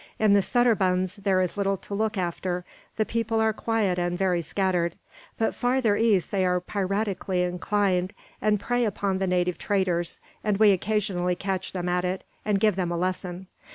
In the sunderbunds there is little to look after, the people are quiet and very scattered; but farther east they are piratically inclined, and prey upon the native traders, and we occasionally catch them at it, and give them a lesson.